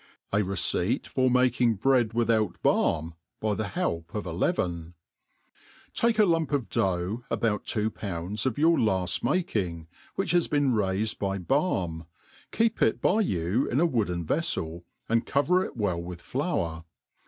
A Receipt fir making Bread without Barm by the bdp^tf^ Leaven* . TAK.£ a lump of dough, about two pounds of your laft ' making, which has been raifed by barm, keep it by you in a wooden velTel, and cover it well with flour.